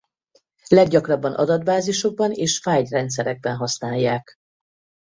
Leggyakrabban adatbázisokban és fájlrendszerekben használják.